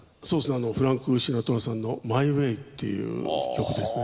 あのフランク・シナトラさんの『マイ・ウェイ』っていう曲ですね。